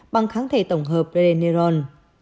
bằng kháng thể tổng hợp reneron